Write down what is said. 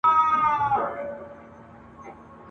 موږ چي ګورې یا خوړل یا الوتل وي ..